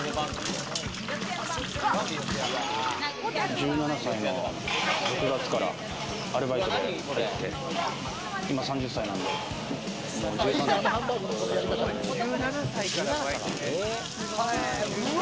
１７歳の６月からアルバイトで入って、今３０歳なんで、もう１３年経ちましたね。